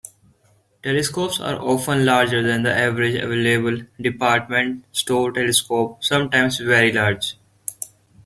Telescopes are often larger than the average available "department store telescope", sometimes very large.